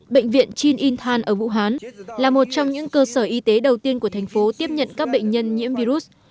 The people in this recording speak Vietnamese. bệnh viện chin in than ở vũ hán là một trong những cơ sở y tế đầu tiên của thành phố tiếp nhận các bệnh nhân nhiễm virus